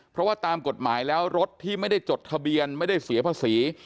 เพราะว่าตามกฎหมายแล้วรถที่ไม่ได้จดทะเบียนไม่ได้เสียภาษี